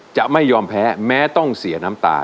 จะไม่ยอมแพ้แม้ต้องเสียน้ำตา